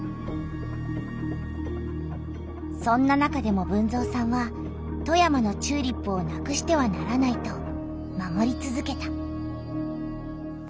そんな中でも豊造さんは富山のチューリップをなくしてはならないと守りつづけた。